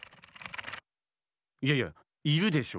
いやいやいるでしょ。